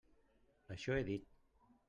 Això he dit.